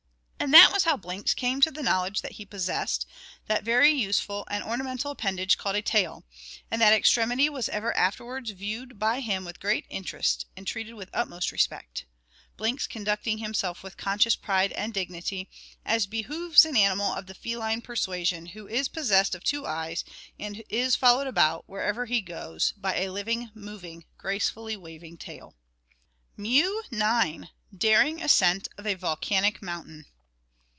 And that was how Blinks came to the knowledge that he possessed, that very useful and ornamental appendage called a tail; and that extremity was ever afterwards viewed by him with great interest, and treated with the utmost respect, Blinks conducting himself with conscious pride and dignity, as behoves an animal of the feline persuasion who is possessed of two eyes, and is followed about, wherever he goes, by a living, moving, gracefully waving tail. MEW IX. _Daring ascent of a Volcanic Mountain.